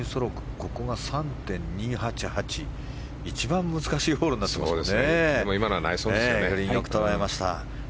ここが３．２８８一番難しいホールになっていますね。